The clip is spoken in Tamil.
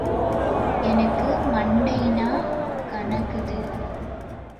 எனக்கு மண்டைன்னா கனக்குது!...